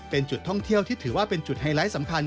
เป็นจุดท่องเที่ยวที่ถือว่าเป็นจุดไฮไลท์สำคัญ